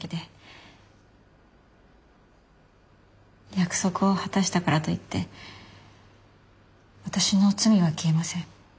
約束を果たしたからといって私の罪は消えません。